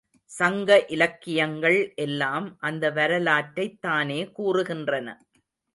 சங்க இலக்கியங்கள் எல்லாம் அந்த வரலாற்றைத் தானே கூறுகின்றன.